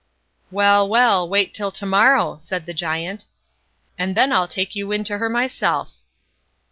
"Well, well, wait till to morrow", said the Giant, "and then I'll take you in to her myself."